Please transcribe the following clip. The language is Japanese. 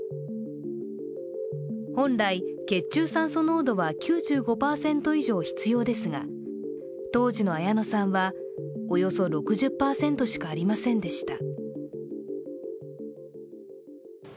本来、血中酸素濃度は９５％以上必要ですが当時の綾乃さんはおよそ６０％しかありませんでした。